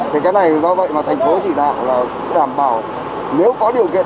thì cái này do vậy mà thành phố chỉ đảm bảo nếu có điều kiện